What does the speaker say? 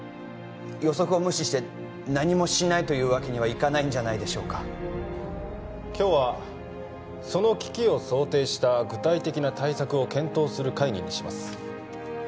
予測を無視して何もしないというわけにはいかないんじゃないでしょうか今日はその危機を想定した具体的な対策を検討する会議にします